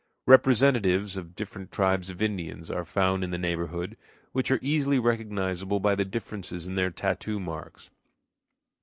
Representatives of different tribes of Indians are found in the neighborhood, which are easily recognizable by the differences in their tattoo marks.